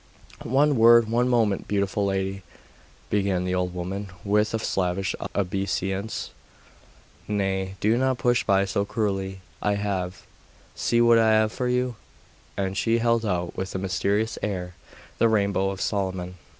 'One word! one moment, beautiful lady,' began the old woman, with a slavish obeisance. 'Nay, do not push by so cruelly. I have see what I have for you!' and she held out with a mysterious air, 'The Rainbow of Solomon.